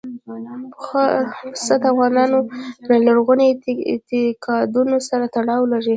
پسه د افغانانو له لرغونو اعتقاداتو سره تړاو لري.